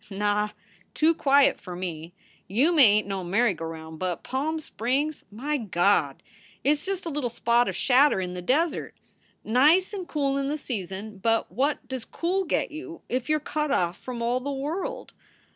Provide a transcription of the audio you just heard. "Nah! Too quiet for me. Yuma ain t no merry go round, but Palm Springs my Gawd ! It s just a little spot of shadder in the desert. Nice and cool in the season, but what does cool get you if you re cut off from all the world?